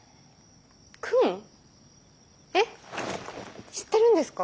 えっ知ってるんですか？